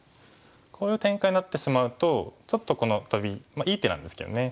こういう展開になってしまうとちょっとこのトビいい手なんですけどね